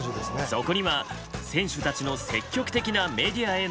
そこには選手たちの積極的なメディアへの露出があった。